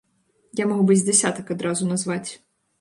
Я мог бы з дзясятак адразу назваць.